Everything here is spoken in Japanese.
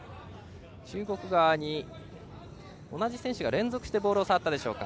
中国、同じ選手が連続してボールを触ったでしょうか。